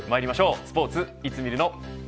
スポーツ、いつ見るの。